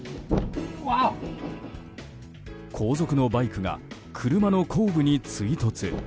後続のバイクが車の後部に追突。